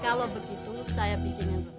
kalau begitu saya bikin resepnya ya